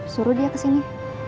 suruh dia kesini